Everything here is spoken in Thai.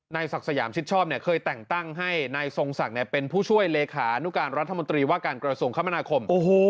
นายศักดิ์สยามชิดชอบเนี่ยเคยแต่งตั้งให้นายทรงศักดิ์เป็นผู้ช่วยเลขานุการรัฐมนาคม